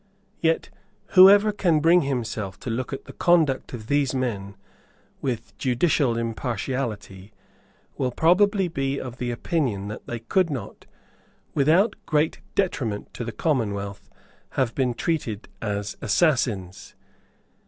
Yet whoever can bring himself to look at the conduct of these men with judicial impartiality will probably be of opinion that they could not, without great detriment to the commonwealth, have been treated as assassins.